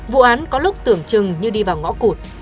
vụ án có lúc tưởng chừng như đi vào ngõ cụt